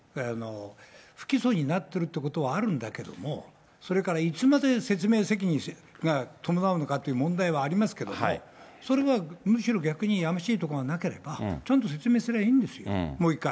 不起訴になってるということはあるんだけれども、それからいつまで説明責任が伴うのかという問題はありますけれども、それはむしろ逆に、やましいところがなければ、ちゃんと説明すればいいんですよ、もう一回。